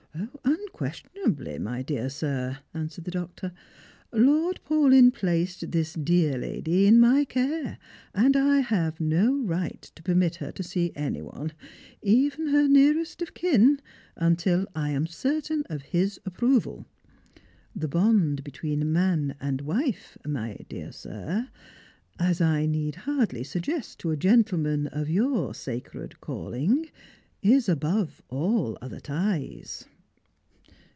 " Unquestionably, my dear sir," answered the doctor. " Lord Paulyn placed thii dear lady in Tiy care, and I have no right to permit her to see any one. evcL her nearest of kin, until I am certain of his approval. The bond between man and wife, ray Strangers and I^iJjrims. 867 dear sir — as I need hardly suggest to a gentleman of your sacred callmg — is above all other ties."